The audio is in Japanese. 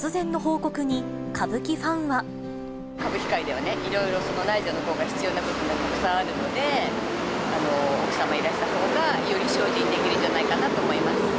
歌舞伎界ではね、いろいろ内助の功が必要な部分がたくさんあるので、奥様がいらしたほうが、より精進できるんじゃないかなと思います。